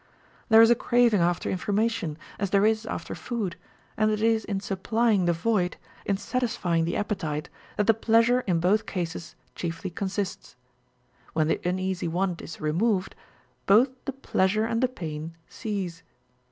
There is a craving after information, as there is after food ; and it is in supplying the void, in satisfying the appetite, that the pleasure in both cases chiefly consists. When the uneasy want is removed, both the pleasure and the pain cease.